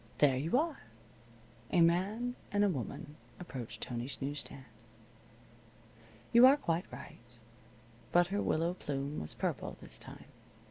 There you are. A man and a woman approached Tony's news stand. You are quite right. But her willow plume was purple this time.